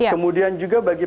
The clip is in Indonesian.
kemudian juga bagi para pelajar